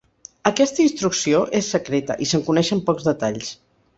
Aquesta instrucció és secreta i se'n coneixen pocs detalls.